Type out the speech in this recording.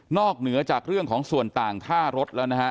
เหนือจากเรื่องของส่วนต่างค่ารถแล้วนะฮะ